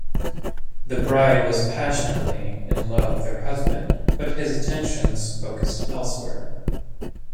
The bride was passionately in love with her husband, but his attentions focused elsewhere.